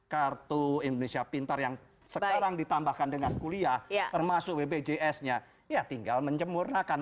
kartu indonesia pintar yang sekarang ditambahkan dengan kuliah termasuk bpjs nya ya tinggal menjemurnakan